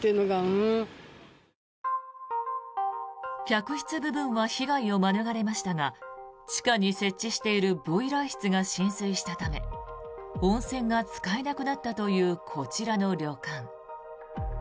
客室部分は被害を免れましたが地下に設置しているボイラー室が浸水したため温泉が使えなくなったというこちらの旅館。